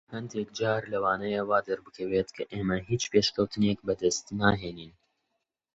هەندێک جار لەوانەیە وا دەربکەوێت کە ئێمە هیچ پێشکەوتنێک بەدەست ناهێنین.